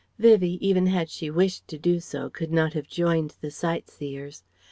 Vivie, even had she wished to do so, could not have joined the sight seers.